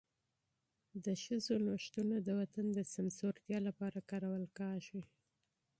د ښځو نوښتونه د وطن د سمسورتیا لپاره کارول کېږي.